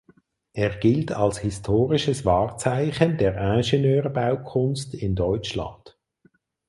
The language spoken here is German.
Er gilt als historisches Wahrzeichen der Ingenieurbaukunst in Deutschland.